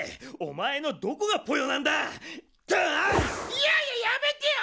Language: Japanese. いやややめてよ！